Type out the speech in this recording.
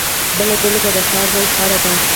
بله بېلګه د کار ځای په اړه ده.